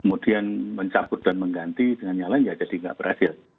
kemudian mencabut dan mengganti dengan nyalain ya jadi nggak berhasil